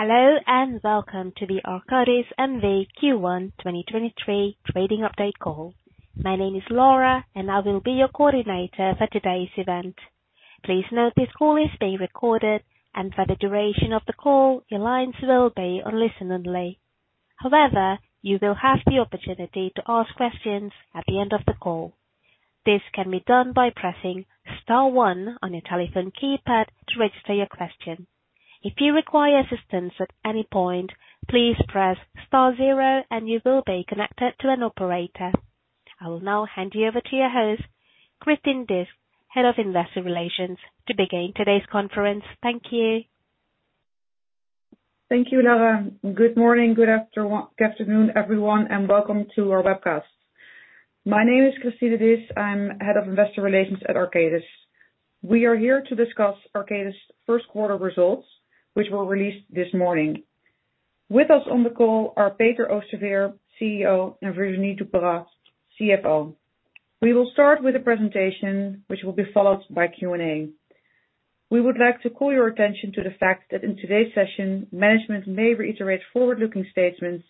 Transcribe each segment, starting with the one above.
Hello, welcome to the Arcadis Q1 2023 Trading Update Call. My name is Laura, I will be your coordinator for today's event. Please note this call is being recorded, for the duration of the call, your lines will be on listen only. However, you will have the opportunity to ask questions at the end of the call. This can be done by pressing star one on your telephone keypad to register your question. If you require assistance at any point, please press star zero you will be connected to an operator. I will now hand you over to your host, Christine Disch, Head of Investor Relations, to begin today's conference. Thank you. Thank you, Laura. Good morning, good afternoon, everyone, welcome to our webcast. My name is Christine Disch. I'm Head of Investor Relations at Arcadis. We are here to discuss Arcadis First Quarter Results, which were released this morning. With us on the call are Peter Oosterveer, CEO, and Virginie Dupérat-Vergne, CFO. We will start with a presentation which will be followed by Q&A. We would like to call your attention to the fact that in today's session, management may reiterate forward-looking statements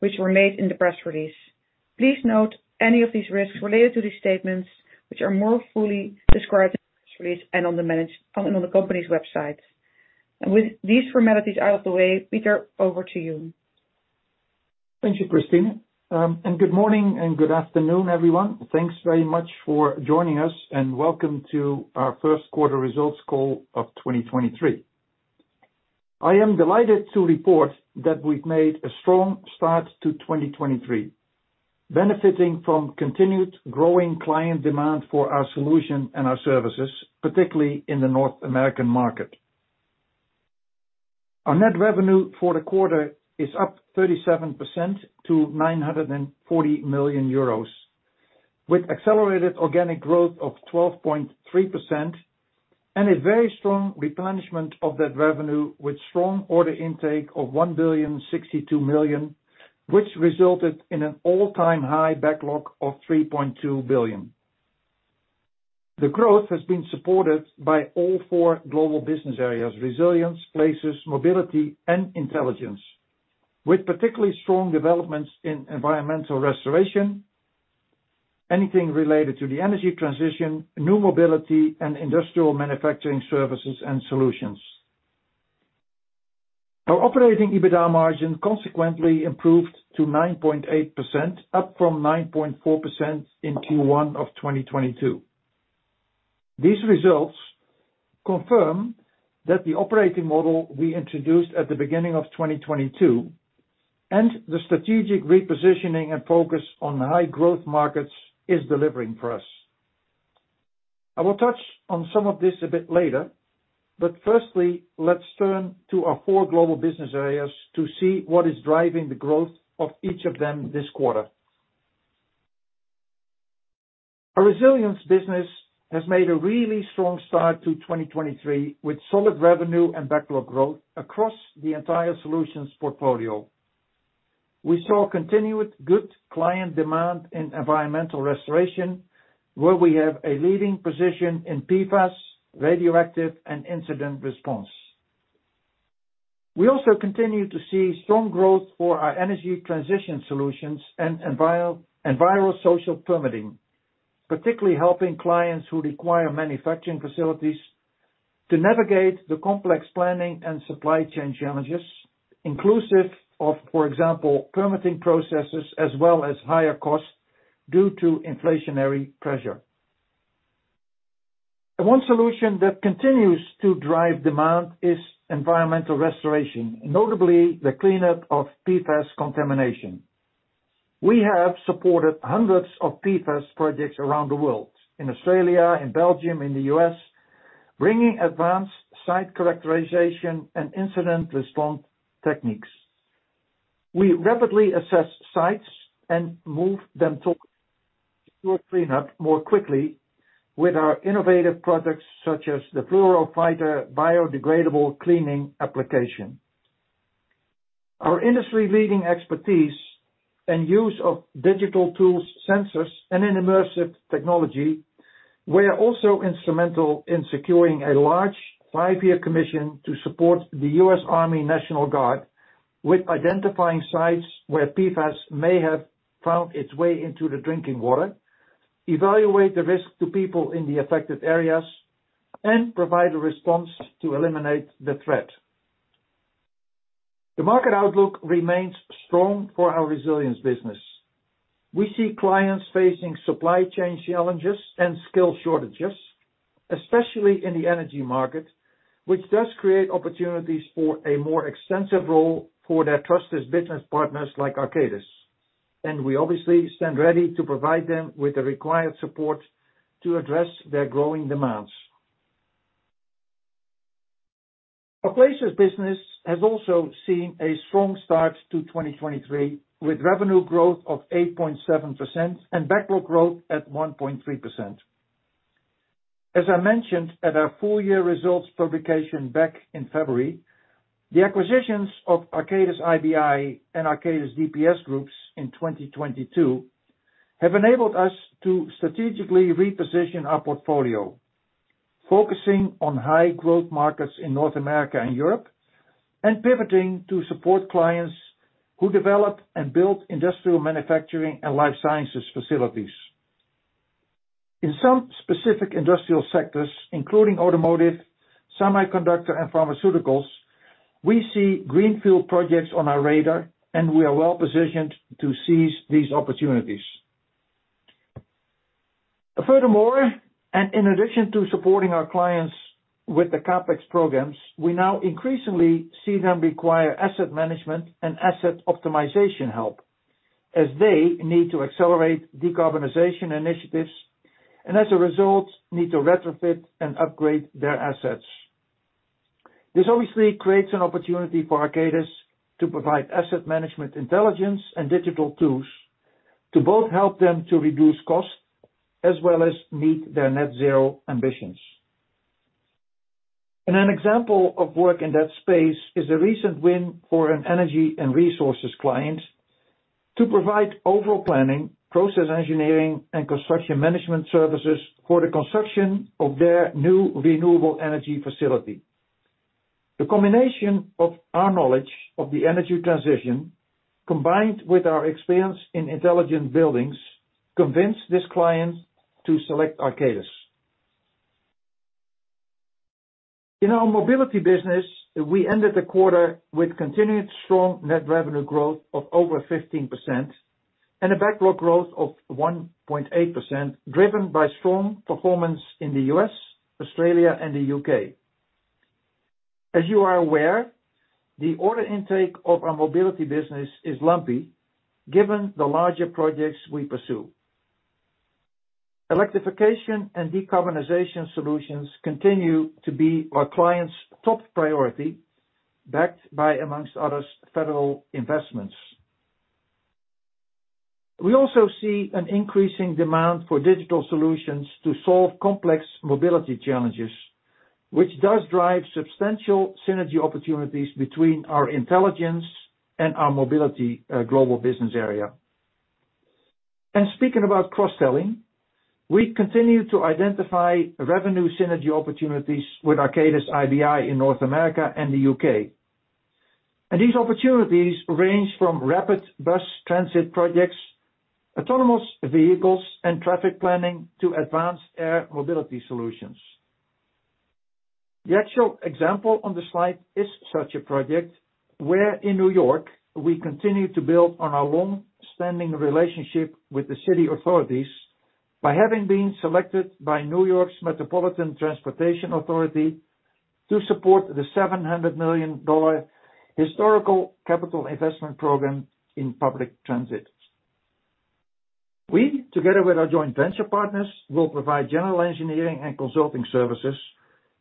which were made in the press release. Please note any of these risks related to these statements which are more fully described in the press release and on the company's website. With these formalities out of the way, Peter, over to you. Thank you, Christine, good morning and good afternoon, everyone. Thanks very much for joining us, and welcome to our first quarter results call of 2023. I am delighted to report that we've made a strong start to 2023, benefiting from continued growing client demand for our solution and our services, particularly in the North American market. Our net revenue for the quarter is up 37% to 940 million euros, with accelerated organic growth of 12.3% and a very strong replenishment of that revenue with strong order intake of 1.062 billion, which resulted in an all-time high backlog of 3.2 billion. The growth has been supported by all four Global Business Areas Resilience, Places, Mobility, and Intelligence, with particularly strong developments in environmental restoration, anything related to the energy transition, new mobility, and industrial manufacturing services and solutions. Our operating EBITDA margin consequently improved to 9.8%, up from 9.4% in Q1 of 2022. These results confirm that the operating model we introduced at the beginning of 2022 and the strategic repositioning and focus on high growth markets is delivering for us. Firstly, let's turn to our four Global Business Areas to see what is driving the growth of each of them this quarter. Our Resilience business has made a really strong start to 2023, with solid revenue and backlog growth across the entire solutions portfolio. We saw continued good client demand in environmental restoration, where we have a leading position in PFAS, radioactive and incident response. We also continue to see strong growth for our energy transition solutions and environmental social permitting, particularly helping clients who require manufacturing facilities to navigate the complex planning and supply chain challenges inclusive of, for example, permitting processes as well as higher costs due to inflationary pressure. The one solution that continues to drive demand is environmental restoration, notably the cleanup of PFAS contamination. We have supported hundreds of PFAS projects around the world, in Australia, in Belgium, in the U.S., bringing advanced site characterization and incident response techniques. We rapidly assess sites and move them to a cleanup more quickly with our innovative products such as the fluorophite biodegradable cleaning application. Our industry-leading expertise and use of digital tools, sensors and an immersive technology were also instrumental in securing a large five-year commission to support the U.S. Army National Guard with identifying sites where PFAS may have found its way into the drinking water, evaluate the risk to people in the affected areas, and provide a response to eliminate the threat. The market outlook remains strong for our Resilience business. We see clients facing supply chain challenges and skill shortages, especially in the energy market, which does create opportunities for a more extensive role for their trusted business partners like Arcadis, and we obviously stand ready to provide them with the required support to address their growing demands. Our Places business has also seen a strong start to 2023, with revenue growth of 8.7% and backlog growth at 1.3%. As I mentioned at our full year results publication back in February, the acquisitions of Arcadis IBI and Arcadis DPS groups in 2022 have enabled us to strategically reposition our portfolio, focusing on high growth markets in North America and Europe, and pivoting to support clients who develop and build industrial manufacturing and life sciences facilities. In some specific industrial sectors, including automotive, semiconductor, and pharmaceuticals, we see greenfield projects on our radar, and we are well-positioned to seize these opportunities. In addition to supporting our clients with the CapEx programs, we now increasingly see them require asset management and asset optimization help as they need to accelerate decarbonization initiatives, and as a result, need to retrofit and upgrade their assets. This obviously creates an opportunity for Arcadis to provide asset management intelligence and digital tools to both help them to reduce costs as well as meet their net zero ambitions. An example of work in that space is a recent win for an energy and resources client to provide overall planning, process engineering, and construction management services for the construction of their new renewable energy facility. The combination of our knowledge of the energy transition, combined with our experience in intelligent buildings, convinced this client to select Arcadis. In our Mobility business, we ended the quarter with continued strong net revenue growth of over 15% and a backlog growth of 1.8%, driven by strong performance in the U.S., Australia and the U.K. As you are aware, the order intake of our Mobility business is lumpy given the larger projects we pursue. Electrification and decarbonization solutions continue to be our clients' top priority, backed by, amongst others, federal investments. We also see an increasing demand for digital solutions to solve complex mobility challenges, which does drive substantial synergy opportunities between our Intelligence and our Mobility global business area. Speaking about cross-selling, we continue to identify revenue synergy opportunities with Arcadis IBI in North America and the U.K. These opportunities range from rapid bus transit projects, autonomous vehicles and traffic planning to advanced air mobility solutions. The actual example on the slide is such a project, where in New York, we continue to build on our long-standing relationship with the city authorities by having been selected by New York's Metropolitan Transportation Authority to support the $700 million historical capital investment program in public transit. We, together with our joint venture partners, will provide general engineering and consulting services,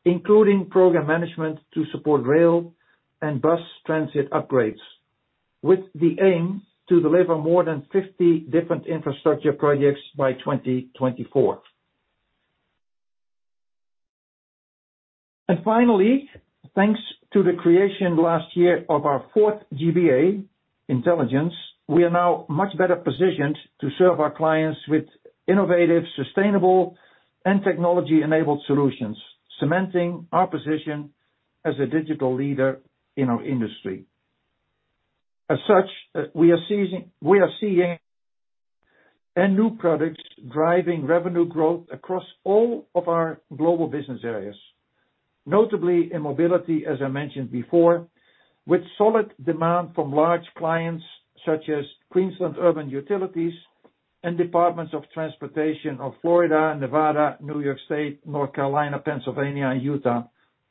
including program management, to support rail and bus transit upgrades, with the aim to deliver more than 50 different infrastructure projects by 2024. Finally, thanks to the creation last year of our fourth GBA, Intelligence, we are now much better positioned to serve our clients with innovative, sustainable and technology-enabled solutions, cementing our position as a digital leader in our industry. As such, we are seeing and new products driving revenue growth across all of our Global Business Areas, notably in Mobility as I mentioned before, with solid demand from large clients such as Queensland Urban Utilities and Departments of Transportation of Florida, Nevada, New York State, North Carolina, Pennsylvania and Utah,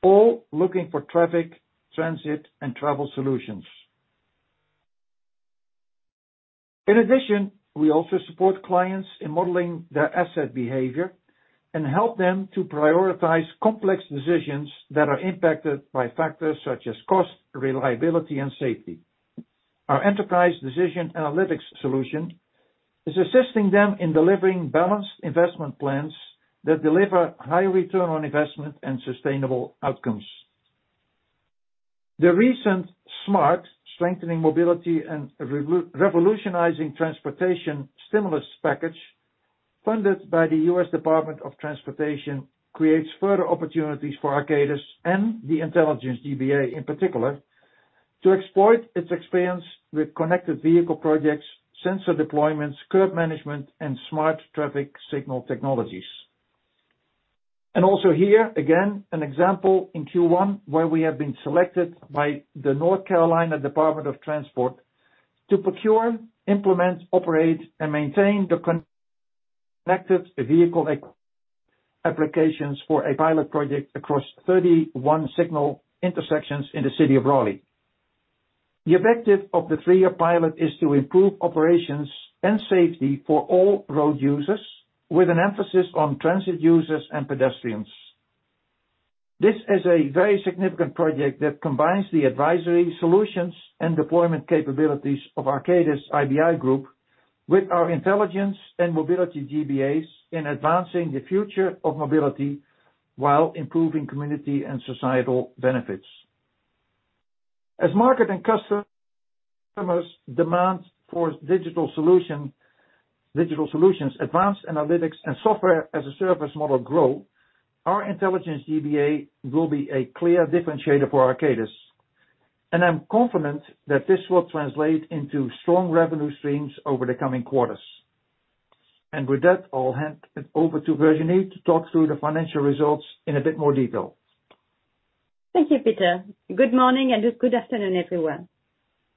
all looking for traffic, transit and travel solutions. In addition, we also support clients in modeling their asset behavior and help them to prioritize complex decisions that are impacted by factors such as cost, reliability and safety. Our Enterprise Decision Analytics solution is assisting them in delivering balanced investment plans that deliver high return on investment and sustainable outcomes. The recent SMART, Strengthening Mobility and Revolutionizing Transportation Stimulus package funded by the U.S. Department of Transportation, creates further opportunities for Arcadis and the Intelligence GBA, in particular, to exploit its experience with connected vehicle projects, sensor deployments, curb management, and smart traffic signal technologies. Also here, again, an example in Q1, where we have been selected by the North Carolina Department of Transportation to procure, implement, operate, and maintain the connected vehicle applications for a pilot project across 31 signal intersections in the city of Raleigh. The objective of the three-year pilot is to improve operations and safety for all road users, with an emphasis on transit users and pedestrians. This is a very significant project that combines the advisory solutions and deployment capabilities of Arcadis IBI Group with our Intelligence and Mobility GBAs in advancing the future of mobility while improving community and societal benefits. As market and customers' demand for digital solutions, advanced analytics and software as a service model grow, our Intelligence GBA will be a clear differentiator for Arcadis. I'm confident that this will translate into strong revenue streams over the coming quarters. With that, I'll hand it over to Virginie to talk through the financial results in a bit more detail. Thank you, Peter. Good morning and good afternoon, everyone.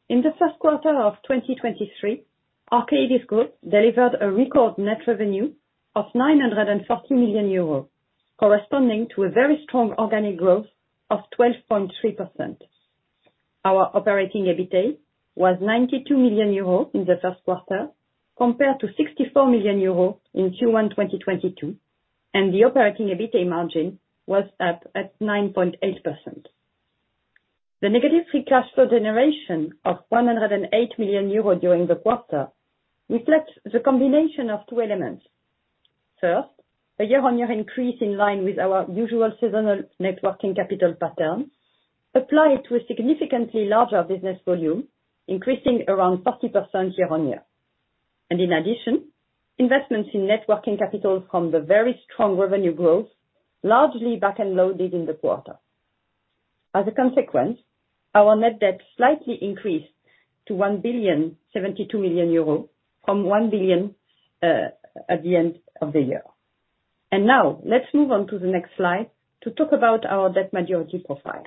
In the first quarter of 2023, Arcadis Group delivered a record net revenue of 940 million euros, corresponding to a very strong organic growth of 12.3%. Our operating EBITA was 92 million euros in the first quarter, compared to 64 million euros in Q1 2022, the operating EBITA margin was up at 9.8%. The negative free cash flow generation of 108 million euros during the quarter reflects the combination of two elements. First, a year-on-year increase in line with our usual seasonal net working capital pattern applied to a significantly larger business volume, increasing around 40% year-on-year. In addition, investments in net working capital from the very strong revenue growth, largely back-end loaded in the quarter. As a consequence, our net debt slightly increased to 1.072 billion from 1 billion at the end of the year. Now let's move on to the next slide to talk about our debt maturity profile.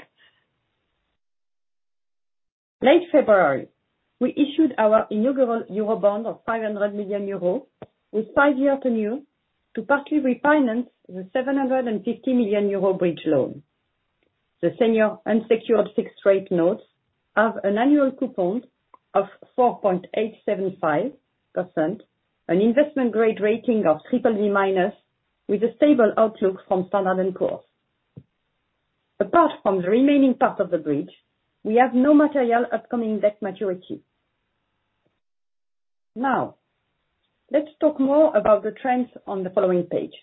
Late February, we issued our inaugural Eurobond of 500 million euros with five-year tenure to partly refinance the 750 million euro bridge loan. The senior unsecured fixed rate notes have an annual coupon of 4.875%, an investment grade rating of BBB- with a stable outlook from Standard & Poor's. Apart from the remaining part of the bridge, we have no material upcoming debt maturity. Now, let's talk more about the trends on the following page.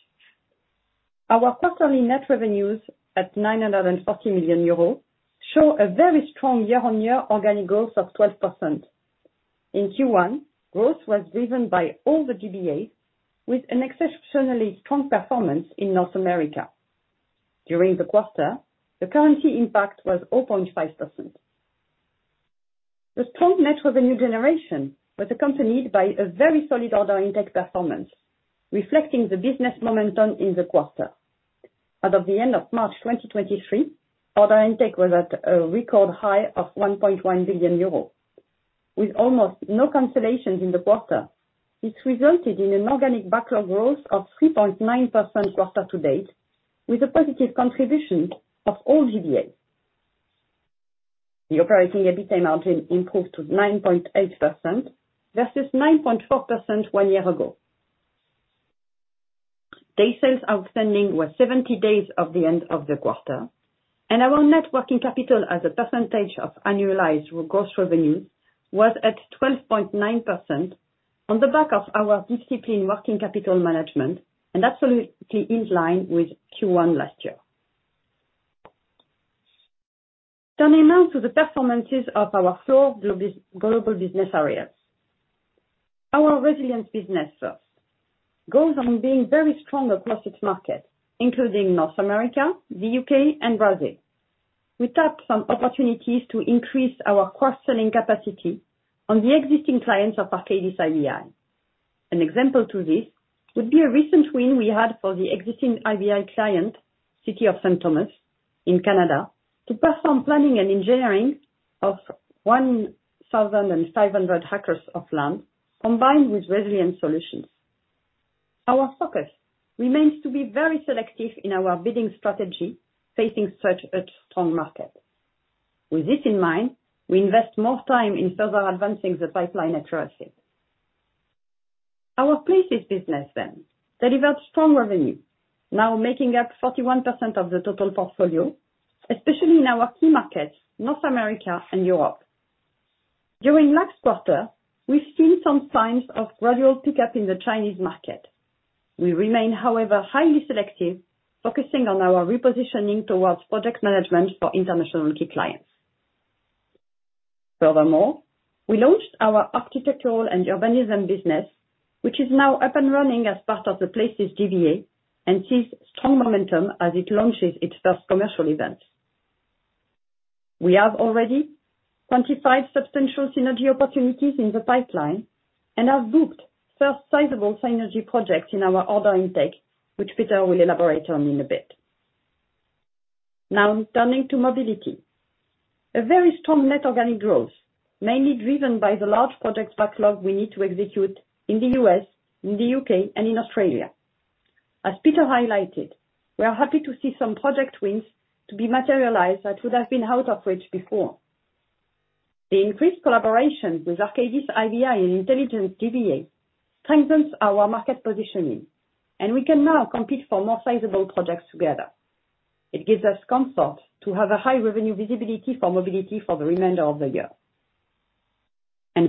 Our quarterly net revenues, at 940 million euros, show a very strong year-on-year organic growth of 12%. In Q1, growth was driven by all the GBAs, with an exceptionally strong performance in North America. During the quarter, the currency impact was 0.5%. The strong net revenue generation was accompanied by a very solid order intake performance, reflecting the business momentum in the quarter. At of the end of March 2023, order intake was at a record high of 1.1 billion euros. With almost no cancellations in the quarter, this resulted in an organic backlog growth of 3.9% quarter to date, with a positive contribution of all GBAs. The operating EBITA margin improved to 9.8% versus 9.4% one year ago. Day sales outstanding was 70 days of the end of the quarter, and our net working capital as a percentage of annualized gross revenue was at 12.9% on the back of our disciplined net working capital management and absolutely in line with Q1 last year. Turning now to the performances of our four Global Business Areas. Our Resilience business first goes on being very strong across each market, including North America, the U.K., and Brazil. We tapped some opportunities to increase our cross-selling capacity on the existing clients of Arcadis IBI. An example to this would be a recent win we had for the existing IBI client, City of St. Thomas in Canada, to perform planning and engineering of 1,500 acres of land, combined with Resilience solutions. Our focus remains to be very selective in our bidding strategy, facing such a strong market. With this in mind, we invest more time in further advancing the pipeline accuracy. Our Places delivered strong revenue, now making up 41% of the total portfolio, especially in our key markets, North America and Europe. During last quarter, we've seen some signs of gradual pickup in the Chinese market. We remain, however, highly selective, focusing on our repositioning towards project management for international key clients. Furthermore, we launched our architectural and urbanism business, which is now up and running as part of the Places GBA, and sees strong momentum as it launches its first commercial event. We have already quantified substantial synergy opportunities in the pipeline and have booked first sizable synergy projects in our order intake, which Peter will elaborate on in a bit. Turning to Mobility. A very strong net organic growth, mainly driven by the large project backlog we need to execute in the U.S., in the U.K., and in Australia. As Peter highlighted, we are happy to see some project wins to be materialized that would have been out of reach before. The increased collaboration with Arcadis IBI and Intelligence GBA strengthens our market positioning, and we can now compete for more sizable projects together. It gives us comfort to have a high revenue visibility for Mobility for the remainder of the year.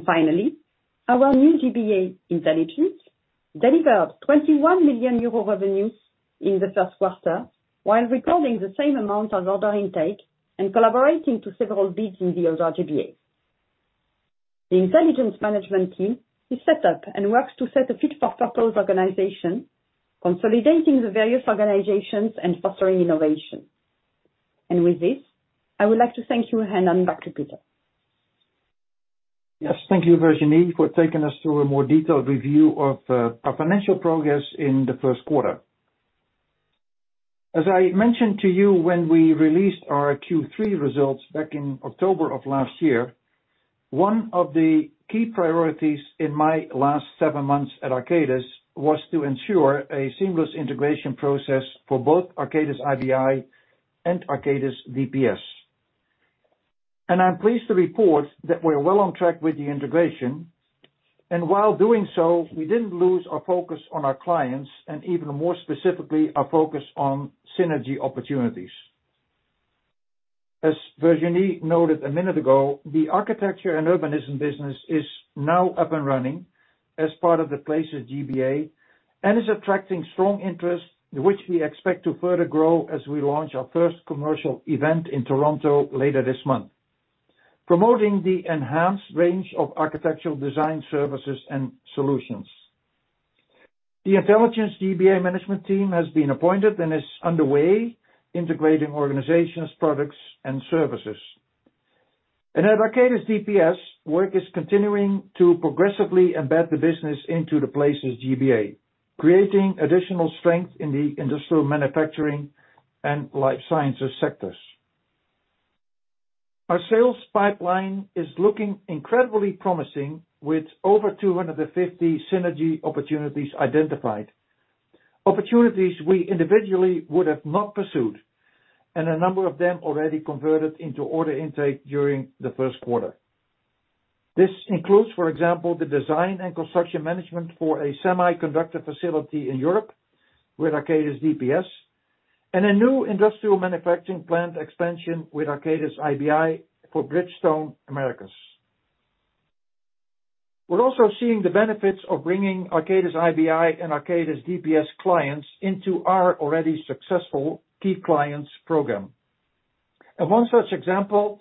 Finally, our new GBA Intelligence delivered 21 million euro revenues in the first quarter, while recording the same amount of order intake and collaborating to several bids in the other GBAs. The Intelligence management team is set up and works to set a fit-for-purpose organization, consolidating the various organizations and fostering innovation. With this, I would like to thank you and hand on back to Peter. Yes, thank you, Virginie, for taking us through a more detailed review of our financial progress in the first quarter. As I mentioned to you when we released our Q3 results back in October of last year, one of the key priorities in my last seven months at Arcadis was to ensure a seamless integration process for both Arcadis IBI and Arcadis DPS. I'm pleased to report that we're well on track with the integration, and while doing so, we didn't lose our focus on our clients, and even more specifically, our focus on synergy opportunities. As Virginie noted a minute ago, the architecture and urbanism business is now up and running as part of the Places GBA and is attracting strong interest which we expect to further grow as we launch our first commercial event in Toronto later this month, promoting the enhanced range of architectural design services and solutions. The Intelligence GBA management team has been appointed and is underway integrating organizations, products and services. At Arcadis DPS, work is continuing to progressively embed the business into the Places GBA, creating additional strength in the industrial manufacturing and life sciences sectors. Our sales pipeline is looking incredibly promising, with over 250 synergy opportunities identified, opportunities we individually would have not pursued, and a number of them already converted into order intake during the first quarter. This includes, for example, the design and construction management for a semiconductor facility in Europe with Arcadis DPS and a new industrial manufacturing plant expansion with Arcadis IBI for Bridgestone Americas. We're also seeing the benefits of bringing Arcadis IBI and Arcadis DPS clients into our already successful key clients program. One such example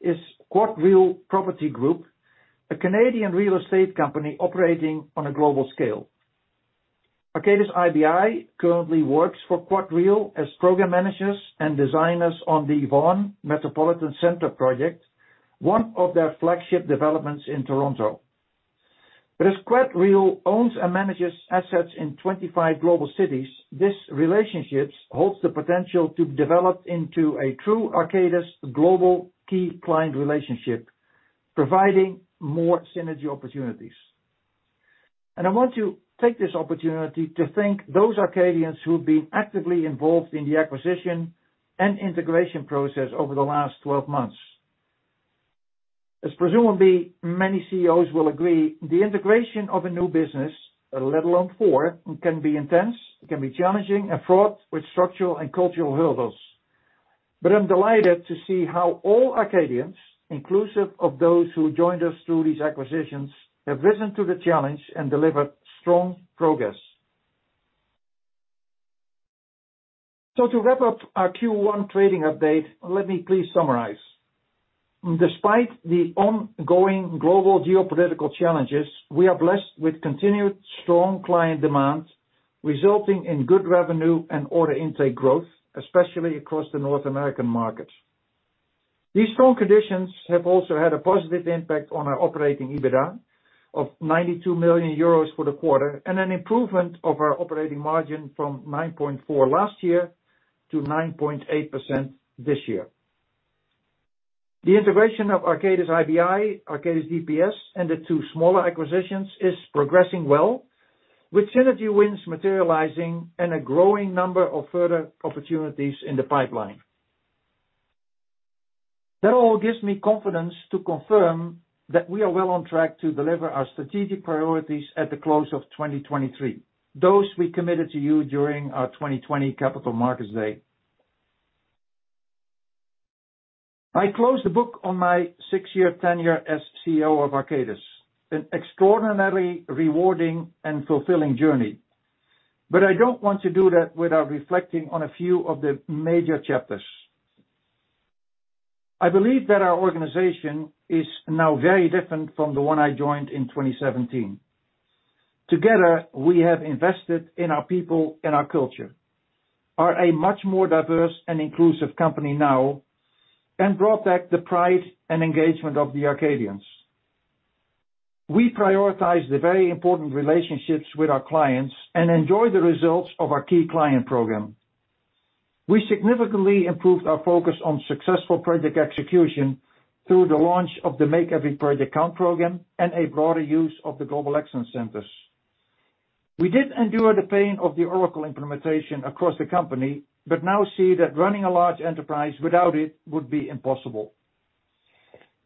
is QuadReal Property Group, a Canadian real estate company operating on a global scale. Arcadis IBI currently works for QuadReal as program managers and designers on the Vaughan Metropolitan Center project, one of their flagship developments in Toronto. As QuadReal owns and manages assets in 25 global cities, this relationship holds the potential to develop into a true Arcadis global key client relationship, providing more synergy opportunities. I want to take this opportunity to thank those Arcadians who've been actively involved in the acquisition and integration process over the last 12 months. As presumably many CEOs will agree, the integration of a new business, let alone four, can be intense, it can be challenging, and fraught with structural and cultural hurdles. I'm delighted to see how all Arcadians, inclusive of those who joined us through these acquisitions, have risen to the challenge and delivered strong progress. To wrap up our Q1 trading update, let me please summarize. Despite the ongoing global geopolitical challenges, we are blessed with continued strong client demand, resulting in good revenue and order intake growth, especially across the North American markets. These strong conditions have also had a positive impact on our operating EBITDA of 92 million euros for the quarter and an improvement of our operating margin from 9.4 last year to 9.8% this year. The integration of Arcadis IBI, Arcadis DPS, and the two smaller acquisitions is progressing well with synergy wins materializing and a growing number of further opportunities in the pipeline. That all gives me confidence to confirm that we are well on track to deliver our strategic priorities at the close of 2023, those we committed to you during our 2020 capital markets day. I close the book on my six-year tenure as CEO of Arcadis, an extraordinarily rewarding and fulfilling journey. I don't want to do that without reflecting on a few of the major chapters. I believe that our organization is now very different from the one I joined in 2017. Together, we have invested in our people and our culture, are a much more diverse and inclusive company now, and brought back the pride and engagement of the Arcadians. We prioritize the very important relationships with our clients and enjoy the results of our key client program. We significantly improved our focus on successful project execution through the launch of the Make Every Project Count program and a broader use of the Global Excellence Centers. We did endure the pain of the Oracle implementation across the company, but now see that running a large enterprise without it would be impossible.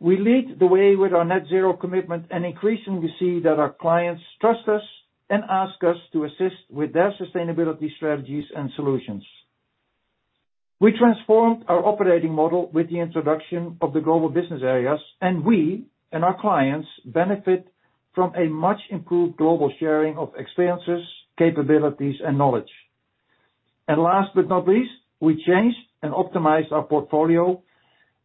We lead the way with our net zero commitment. Increasingly we see that our clients trust us and ask us to assist with their sustainability strategies and solutions. We transformed our operating model with the introduction of the Global Business Areas. We and our clients benefit from a much improved global sharing of experiences, capabilities, and knowledge. Last but not least, we changed and optimized our portfolio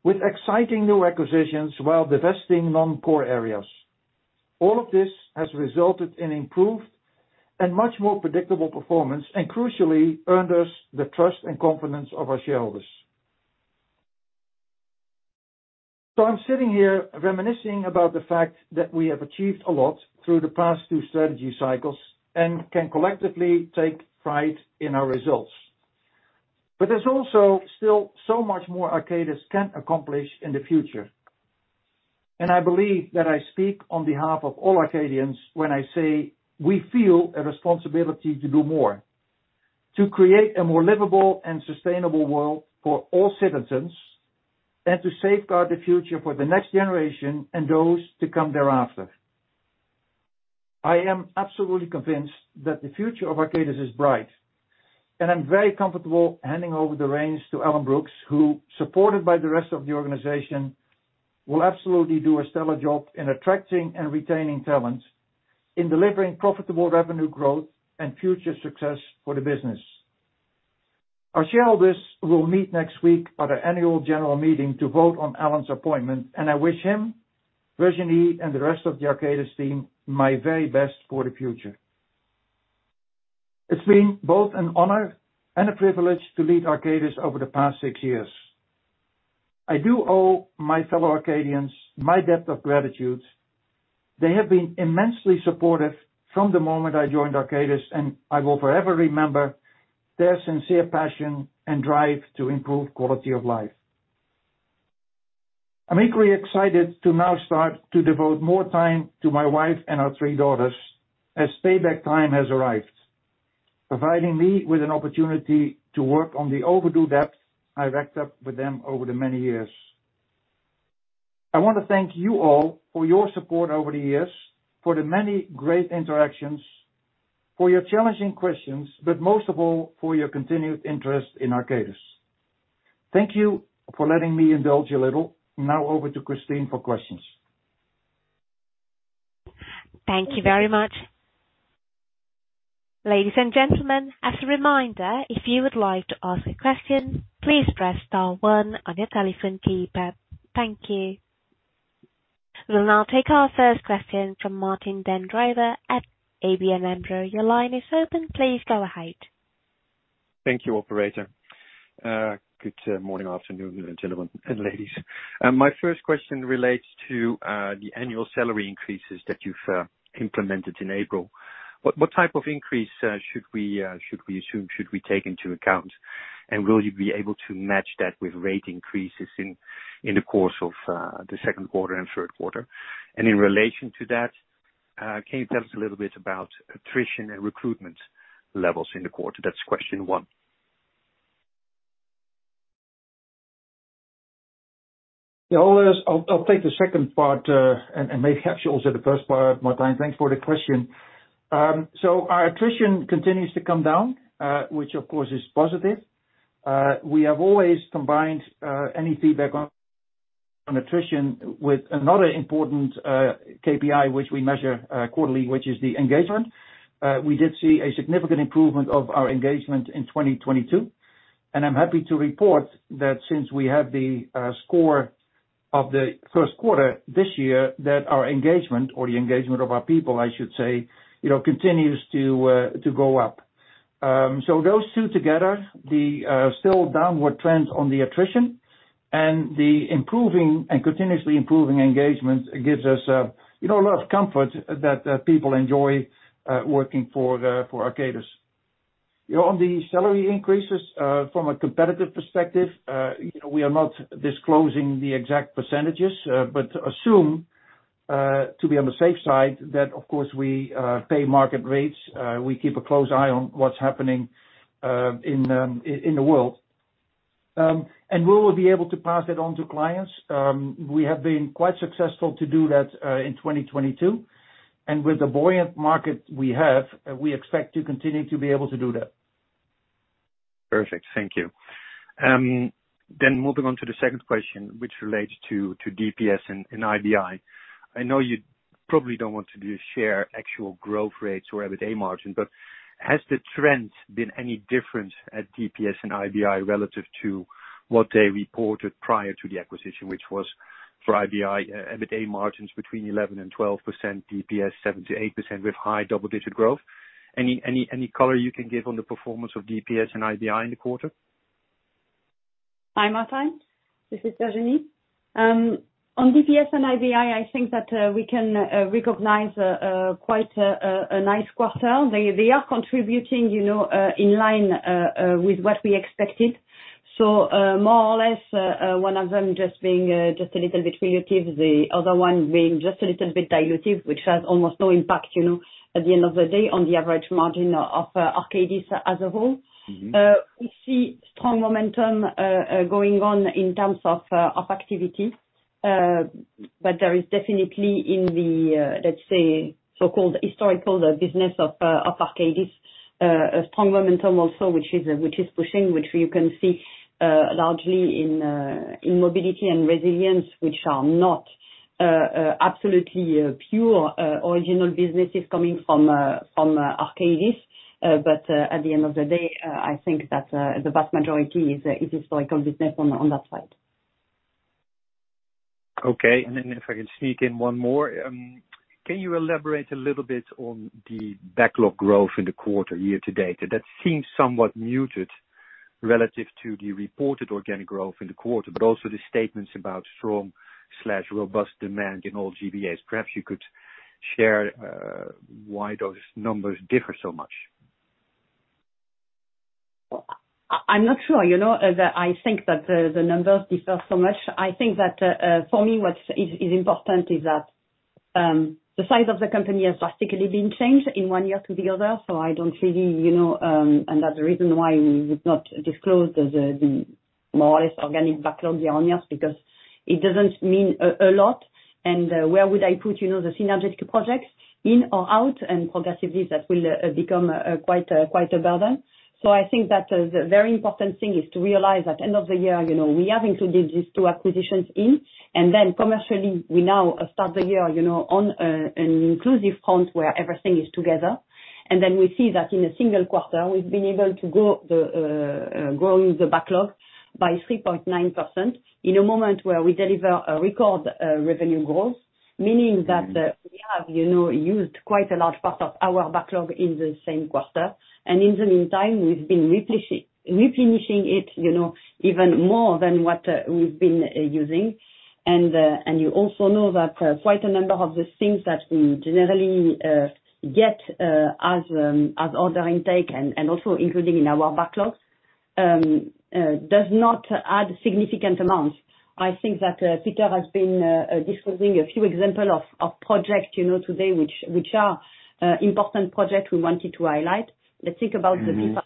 with exciting new acquisitions while divesting non-core areas. All of this has resulted in improved and much more predictable performance, and crucially, earned us the trust and confidence of our shareholders. I'm sitting here reminiscing about the fact that we have achieved a lot through the past two strategy cycles and can collectively take pride in our results. There's also still so much more Arcadis can accomplish in the future. I believe that I speak on behalf of all Arcadians when I say we feel a responsibility to do more, to create a more livable and sustainable world for all citizens, and to safeguard the future for the next generation and those to come thereafter. I am absolutely convinced that the future of Arcadis is bright, and I'm very comfortable handing over the reins to Alan Brookes, who, supported by the rest of the organization, will absolutely do a stellar job in attracting and retaining talent, in delivering profitable revenue growth and future success for the business. Our shareholders will meet next week at our annual general meeting to vote on Alan's appointment. I wish him, Virginie, and the rest of the Arcadis team my very best for the future. It's been both an honor and a privilege to lead Arcadis over the past six years. I do owe my fellow Arcadians my depth of gratitude. They have been immensely supportive from the moment I joined Arcadis. I will forever remember their sincere passion and drive to improve quality of life. I'm equally excited to now start to devote more time to my wife and our three daughters as payback time has arrived, providing me with an opportunity to work on the overdue debt I racked up with them over the many years. I want to thank you all for your support over the years, for the many great interactions, for your challenging questions, but most of all, for your continued interest in Arcadis. Thank you for letting me indulge a little. Now over to Christine for questions. Thank you very much. Ladies and gentlemen, as a reminder, if you would like to ask a question, please press star one on your telephone keypad. Thank you. We'll now take our first question from Martijn den Drijver at ABN AMRO. Your line is open. Please go ahead. Thank you, operator. Good morning, afternoon, gentlemen and ladies. My first question relates to the annual salary increases that you've implemented in April. What type of increase should we assume, should we take into account? Will you be able to match that with rate increases in the course of the second quarter and third quarter? In relation to that, can you tell us a little bit about attrition and recruitment levels in the quarter? That's question one. Yeah, I'll take the second part, and maybe capture also the first part, Martijn. Thanks for the question. Our attrition continues to come down, which of course is positive. We have always combined any feedback on attrition with another important KPI which we measure quarterly, which is the engagement. We did see a significant improvement of our engagement in 2022, and I'm happy to report that since we have the score of the first quarter this year, that our engagement or the engagement of our people, I should say, you know, continues to go up. Those two together, the still downward trends on the attrition and the improving and continuously improving engagement gives us, you know, a lot of comfort that people enjoy working for Arcadis. You know, on the salary increases, from a competitive perspective, you know, we are not disclosing the exact percentages, but assume, to be on the safe side, that of course, we pay market rates. We keep a close eye on what's happening, in the world. We'll be able to pass it on to clients. We have been quite successful to do that, in 2022. With the buoyant market we have, we expect to continue to be able to do that. Perfect. Thank you. Moving on to the second question, which relates to DPS and IBI. I know you probably don't want to do share actual growth rates or EBITDA margin, but has the trend been any different at DPS and IBI relative to what they reported prior to the acquisition, which was for IBI, EBITDA margins between 11% and 12%, DPS 7%-8% with high double-digit growth? Any color you can give on the performance of DPS and IBI in the quarter? Hi, Martijn. This is Virginie. On DPS and IBI, I think that we can recognize quite a nice quarter. They are contributing, you know, in line with what we expected. More or less, one of them just being just a little bit relative, the other one being just a little bit dilutive, which has almost no impact, you know, at the end of the day, on the average margin of Arcadis as a whole. Mm-hmm. We see strong momentum going on in terms of activity. There is definitely in the, let's say so-called historical business of Arcadis, a strong momentum also which is, which is pushing, which you can see largely in Mobility and Resilience, which are not absolutely pure original businesses coming from Arcadis. At the end of the day, I think that the vast majority is historical business on that side. Okay. If I can sneak in one more. Can you elaborate a little bit on the backlog growth in the quarter year to date? That seems somewhat muted relative to the reported organic growth in the quarter, but also the statements about strong/robust demand in all GBAs. Perhaps you could share, why those numbers differ so much? I'm not sure, you know, that I think that the numbers differ so much. I think that, for me, what is important is that the size of the company has drastically been changed in one year to the other. I don't really, you know, and that's the reason why we would not disclose the more or less organic backlog year-on-year, because it doesn't mean a lot. Where would I put, you know, the synergetic projects in or out, and progressively that will become quite a burden. I think that the very important thing is to realize at end of the year, you know, we have included these two acquisitions in, and then commercially we now start the year, you know, on an inclusive count where everything is together. We see that in a single quarter, we've been able to grow the backlog by 3.9% in a moment where we deliver a record revenue growth. Meaning that, we have, you know, used quite a large part of our backlog in the same quarter. In the meantime, we've been replenishing it, you know, even more than what we've been using. You also know that quite a number of the things that we generally get as order intake and also including in our backlogs does not add significant amounts. I think that Peter has been disclosing a few example of projects, you know, today, which are important projects we wanted to highlight. Let's think about the people.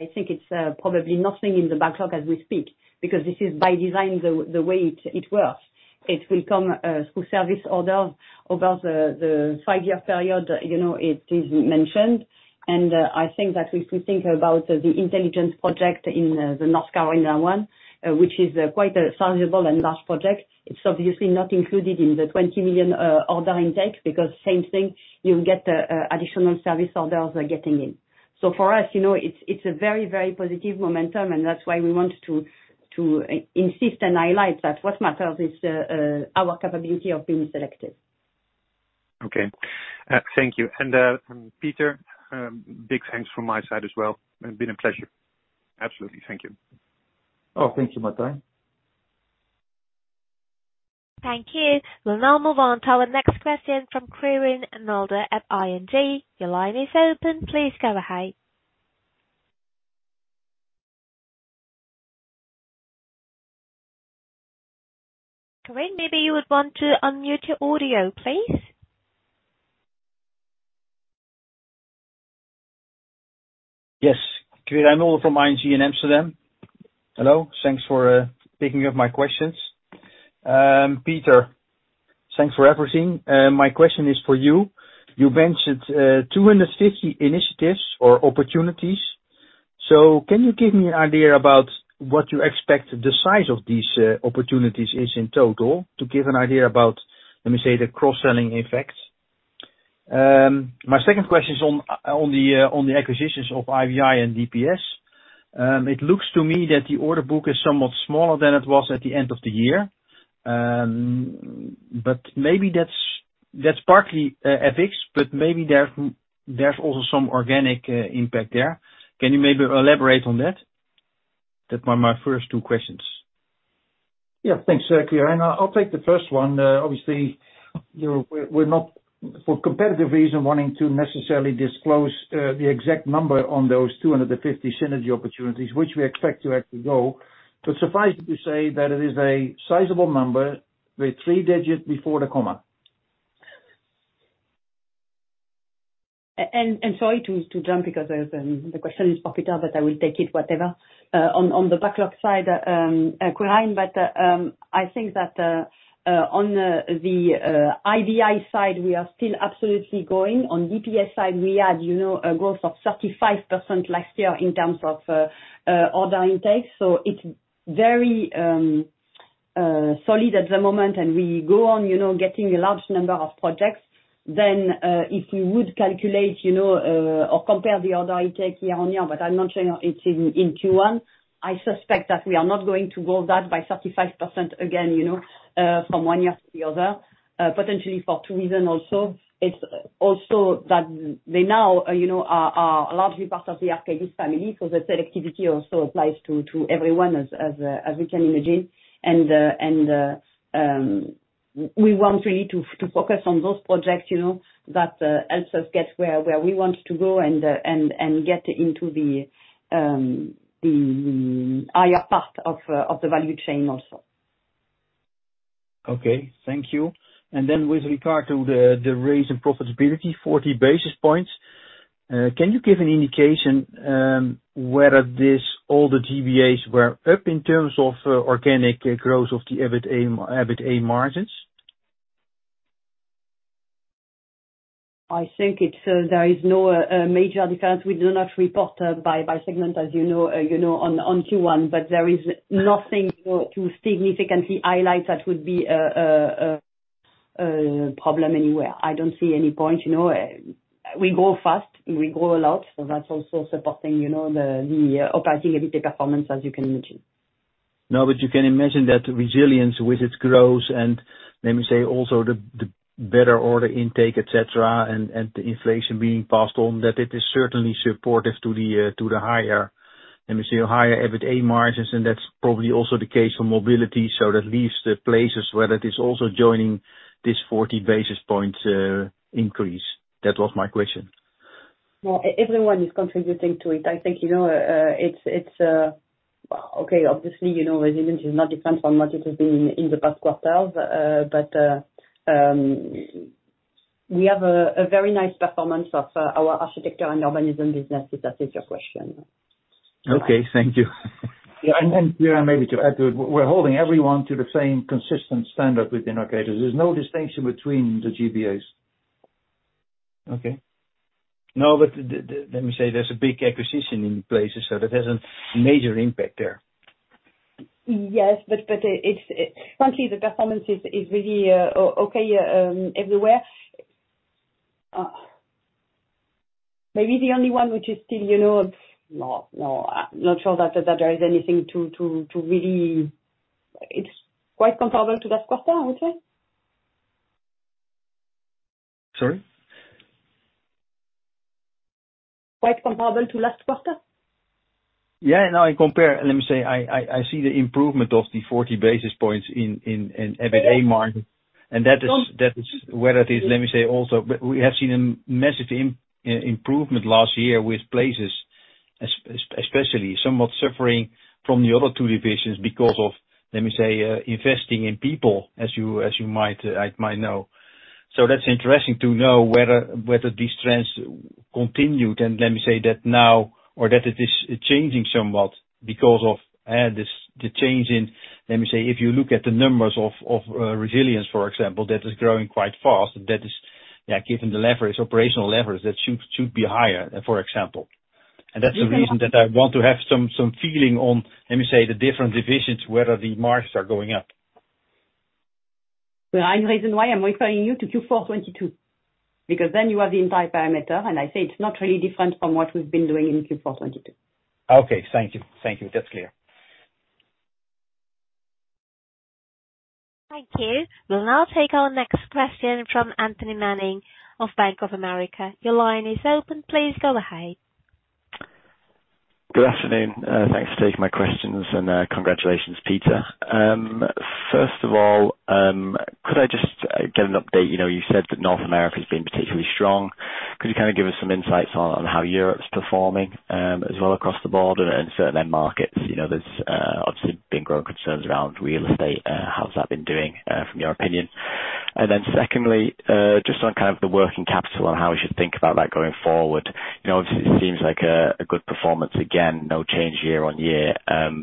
I think it's probably nothing in the backlog as we speak, because this is by design the way it works. It will come through service orders over the five-year period, you know, it is mentioned. I think that if we think about the Intelligence project in the North Carolina one, which is quite a sizable and large project, it's obviously not included in the 20 million order intake because same thing, you get additional service orders are getting in. For us, you know, it's a very, very positive momentum, and that's why we want to insist and highlight that what matters is our capability of being selected. Okay. Thank you. Peter, big thanks from my side as well. Been a pleasure. Absolutely. Thank you. Oh, thank you, Martijn. Thank you. We'll now move on to our next question from Quirijn Mulder at ING. Your line is open. Please go ahead. Quirijn, maybe you would want to unmute your audio, please. Yes. Quirijn Mulder from ING in Amsterdam. Hello. Thanks for picking up my questions. Peter, thanks for everything. My question is for you. You mentioned 250 initiatives or opportunities. Can you give me an idea about what you expect the size of these opportunities is in total to give an idea about, let me say, the cross-selling effects? My second question is on the acquisitions of IBI and DPS. It looks to me that the order book is somewhat smaller than it was at the end of the year. Maybe that's partly FX, but maybe there's also some organic impact there. Can you maybe elaborate on that? That were my first two questions. Yeah. Thanks, Quirijn. I'll take the first one. Obviously, you know, we're not, for competitive reason, wanting to necessarily disclose, the exact number on those 250 synergy opportunities, which we expect to actually go. Suffice it to say that it is a sizable number with three digit before the comma. Sorry to jump because I was, the question is for Peter, I will take it, whatever. On the backlog side, Quirijn, I think that on the IBI side, we are still absolutely going. On DPS side, we had, you know, a growth of 35% last year in terms of order intake. It's very solid at the moment, we go on, you know, getting a large number of projects. If we would calculate, you know, or compare the order intake year-on-year, I'm not sure it's in Q1, I suspect that we are not going to grow that by 35% again, you know, from one year to the other, potentially for two reason also. It's also that they now, you know, are a largely part of the Arcadis family, so the selectivity also applies to everyone as we can imagine. We want really to focus on those projects, you know, that helps us get where we want to go and get into the higher part of the value chain also. Okay, thank you. Then with regard to the raise in profitability, 40 basis points. Can you give an indication, whether this all the GBAs were up in terms of, organic growth of the EBITA margins? I think it's, there is no major difference. We do not report by segment, as you know, on Q1. There is nothing to significantly highlight that would be a problem anywhere. I don't see any point, you know. We grow fast, and we grow a lot, that's also supporting, you know, the operating EBITA performance, as you can imagine. No, but you can imagine that Resilience with its growth and, let me say also the better order intake, et cetera, and the inflation being passed on, that it is certainly supportive to the let me say, higher EBITA margins, and that's probably also the case for Mobility. That leaves the Places where that is also joining this 40 basis points increase. That was my question. Everyone is contributing to it. I think, you know, Okay, obviously, you know, Resilience is not different from what it has been in the past quarters. We have a very nice performance of our architecture and urbanism business, if that is your question. Okay, thank you. Yeah, Qurijn, maybe to add to it, we're holding everyone to the same consistent standard within Arcadis. There's no distinction between the GBAs. Okay. No, but let me say, there's a big acquisition in Places, so that has a major impact there. Yes, it's frankly, the performance is really okay, everywhere. Maybe the only one which is still, you know, not sure that there is anything to really. It's quite comparable to last quarter, I would say. Sorry? Quite comparable to last quarter. Yeah, no, I compare. Let me say, I see the improvement of the 40 basis points in EBITA margin. That is, that is where it is. Let me say also, we have seen a massive improvement last year with Places especially somewhat suffering from the other two divisions because of, let me say, investing in people, as you might know. That's interesting to know whether these trends continued. Let me say that now, or that it is changing somewhat because of the change in... Let me say, if you look at the numbers of Resilience, for example, that is growing quite fast. That is, given the leverage, operational leverage that should be higher, for example. That's the reason that I want to have some feeling on, let me say, the different divisions, whether the margins are going up. Well, I'm reason why I'm referring you to Q4 2022. You have the entire parameter, and I say it's not really different from what we've been doing in Q4 2022. Okay. Thank you. Thank you. That's clear. Thank you. We'll now take our next question from Anthony Manning of Bank of America. Your line is open. Please go ahead. Good afternoon. Thanks for taking my questions. Congratulations, Peter. First of all, could I just get an update? You know, you said that North America has been particularly strong. Could you kind of give us some insights on how Europe's performing as well across the board and certain end markets? You know, there's obviously been growing concerns around real estate. How's that been doing from your opinion? Secondly, just on kind of the working capital and how we should think about that going forward, you know, obviously it seems like a good performance. Again, no change year on year,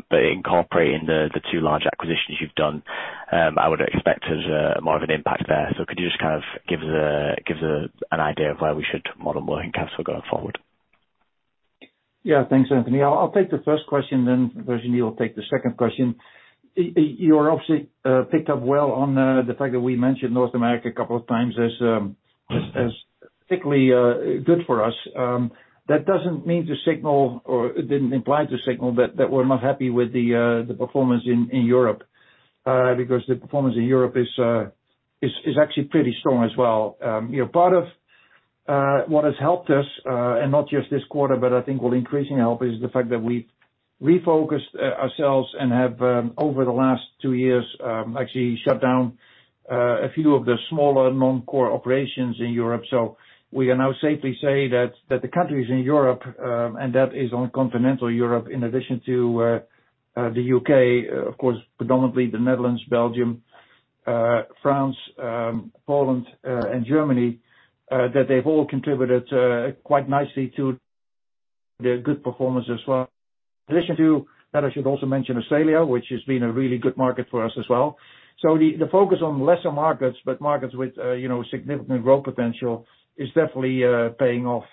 but incorporating the two large acquisitions you've done, I would expect there's more of an impact there. Could you just kind of give the an idea of where we should model net working capital going forward? Yeah. Thanks, Anthony. I'll take the first question, then Virginie will take the second question. You are obviously picked up well on the fact that we mentioned North America a couple of times as particularly good for us. That doesn't mean to signal, or it didn't imply to signal that we're not happy with the performance in Europe. The performance in Europe is actually pretty strong as well. You know, part of what has helped us, and not just this quarter, but I think will increasingly help, is the fact that we've refocused ourselves and have over the last two years actually shut down a few of the smaller non-core operations in Europe. We can now safely say that the countries in Europe, and that is on continental Europe, in addition to the U.K., of course, predominantly the Netherlands, Belgium, France, Poland, and Germany, that they've all contributed quite nicely to the good performance as well. In addition to that, I should also mention Australia, which has been a really good market for us as well. The focus on lesser markets, but markets with, you know, significant growth potential is definitely paying off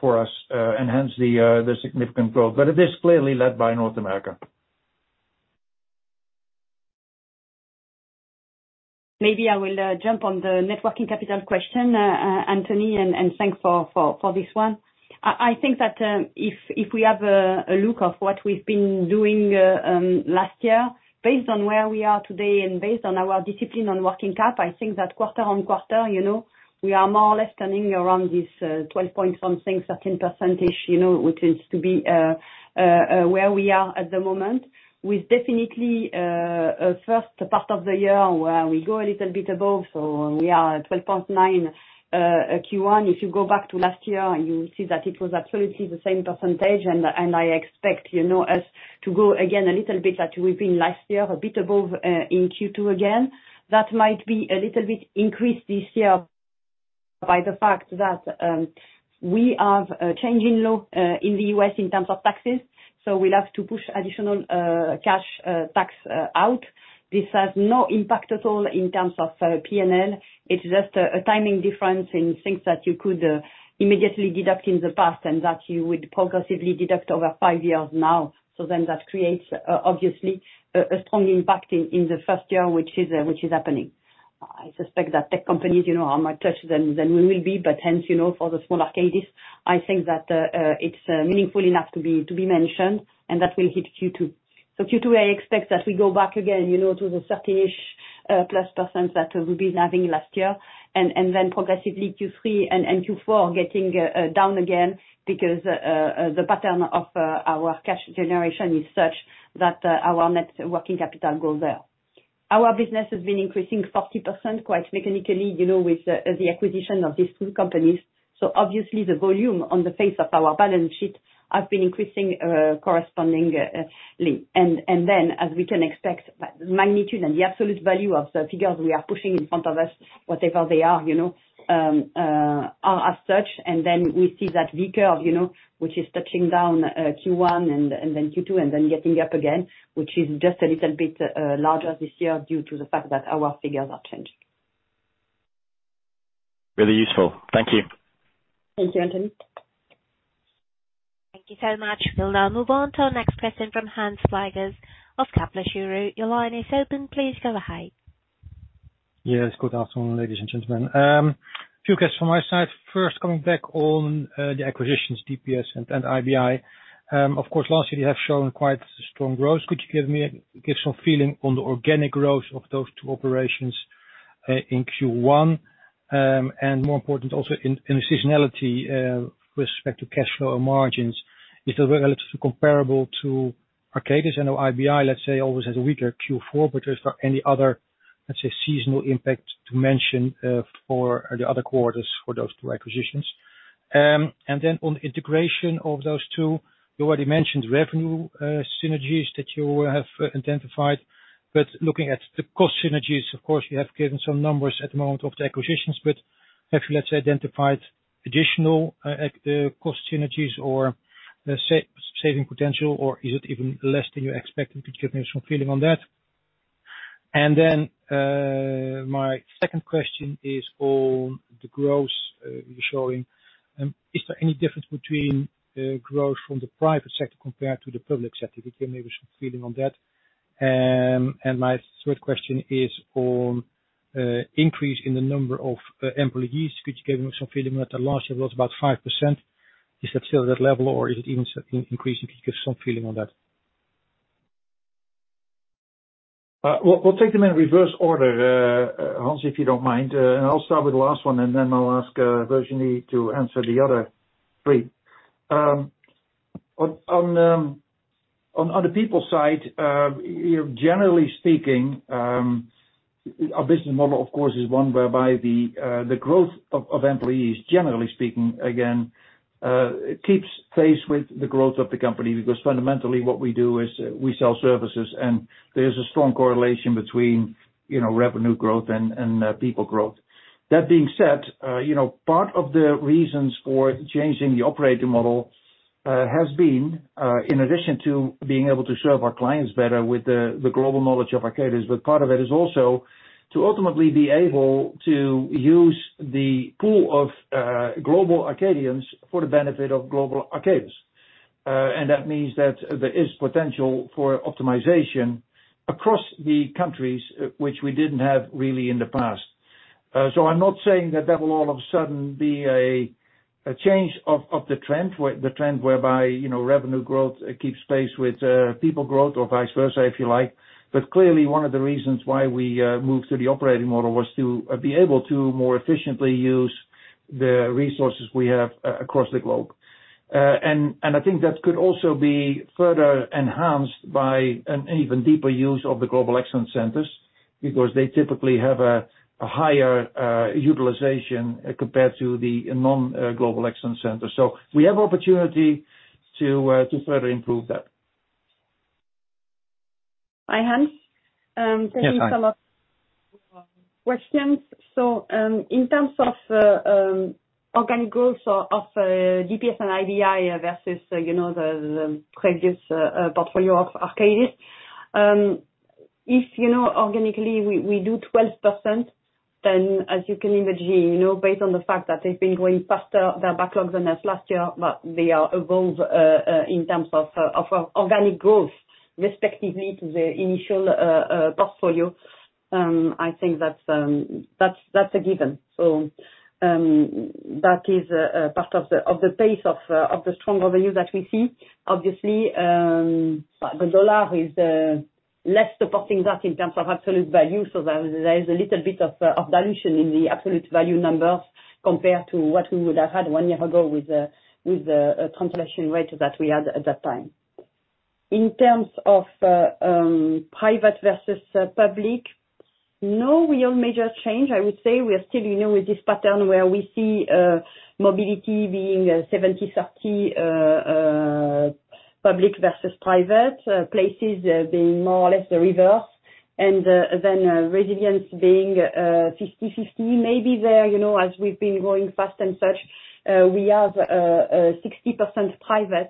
for us, and hence the significant growth. It is clearly led by North America. Maybe I will jump on the net working capital question, Anthony, thanks for this one. I think that if we have a look of what we've been doing last year, based on where we are today and based on our discipline on working cap, I think that quarter on quarter, you know, we are more or less turning around this 12 point something, 13%, you know, which is to be where we are at the moment. With definitely a first part of the year where we go a little bit above, so we are at 12.9 Q1. If you go back to last year, you see that it was absolutely the same %, and I expect, you know, us to grow again a little bit, as we've been last year, a bit above in Q2 again. That might be a little bit increased this year by the fact that we have a change in law in the U.S. in terms of taxes, so we'll have to push additional cash tax out. This has no impact at all in terms of P&L. It's just a timing difference in things that you could immediately deduct in the past, and that you would progressively deduct over five years now. That creates, obviously, a strong impact in the first year, which is happening. I suspect that tech companies, you know, are more touched than we will be. Hence, you know, for the small Arcadis, I think that it's meaningful enough to be mentioned, and that will hit Q2. Q2, I expect that we go back again, you know, to the 30-ish+ % that we've been having last year. Then progressively Q3 and Q4 getting down again because the pattern of our cash generation is such that our net working capital grows there. Our business has been increasing 40% quite mechanically, you know, with the acquisition of these two companies. Obviously the volume on the face of our balance sheet have been increasing correspondingly. Then, as we can expect, magnitude and the absolute value of the figures we are pushing in front of us, whatever they are, you know, are as such. Then we see that V curve, you know, which is touching down, Q1 and, then Q2, and then getting up again, which is just a little bit larger this year due to the fact that our figures are changing. Really useful. Thank you. Thank you, Anthony. Thank you so much. We'll now move on to our next question from Hans Slagers of Kepler Cheuvreux. Your line is open. Please go ahead. Yes. Good afternoon, ladies and gentlemen. Few questions from my side. First, coming back on the acquisitions, DPS and IBI. Of course, last year you have shown quite strong growth. Could you give some feeling on the organic growth of those two operations in Q1? More important also in seasonality with respect to cash flow and margins, is it relatively comparable to Arcadis? I know IBI, let's say, always has a weaker Q4, but is there any other, let's say, seasonal impact to mention for the other quarters for those two acquisitions? On integration of those two, you already mentioned revenue synergies that you have identified, but looking at the cost synergies, of course, you have given some numbers at the moment of the acquisitions, but have you, let's say, identified additional cost synergies or, let's say, saving potential or is it even less than you expected? Could you give me some feeling on that? My second question is on the growth you're showing. Is there any difference between growth from the private sector compared to the public sector? If you can give me some feeling on that. My third question is on increase in the number of employees. Could you give me some feeling that the last year was about 5%. Is that still that level or is it even increasing? Could give some feeling on that. We'll take them in reverse order, Hans, if you don't mind, I'll start with the last one, and then I'll ask Virginie to answer the other three. On the people side, you know, generally speaking, our business model, of course, is one whereby the growth of employees, generally speaking again, keeps pace with the growth of the company, because fundamentally what we do is we sell services and there's a strong correlation between, you know, revenue growth and people growth. That being said, you know, part of the reasons for changing the operating model, has been, in addition to being able to serve our clients better with the global knowledge of Arcadis. Part of it is also to ultimately be able to use the pool of, global Arcadians for the benefit of global Arcadis. That means that there is potential for optimization across the countries, which we didn't have really in the past. I'm not saying that that will all of a sudden be a change of the trend, the trend whereby, you know, revenue growth keeps pace with, people growth or vice versa, if you like. Clearly one of the reasons why we moved to the operating model was to be able to more efficiently use the resources we have across the globe. I think that could also be further enhanced by an even deeper use of the Global Excellence Centers, because they typically have a higher utilization compared to the non-Global Excellence Centers. We have opportunity to further improve that. Hi, Hans. Yes, hi. Questions. In terms of organic growth of Arcadis DPS and Arcadis IBI versus the previous portfolio of Arcadis, if organically we do 12%, then as you can imagine, based on the fact that they've been growing faster their backlogs than us last year, they are above in terms of organic growth respectively to the initial portfolio. I think that's a given. That is a part of the pace of the strong revenue that we see Obviously, the dollar is less supporting that in terms of absolute value, so there is a little bit of dilution in the absolute value numbers compared to what we would have had 1 year ago with the translation rate that we had at that time. In terms of private versus public, no real major change. I would say we are still, you know, with this pattern where we see Mobility being 70/30 Public versus private, Places being more or less the reverse. Then Resilience being 50/50. Maybe there, you know, as we've been growing fast and such, we have 60% private.